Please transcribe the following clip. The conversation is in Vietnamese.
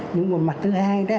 nhưng một mặt thứ hai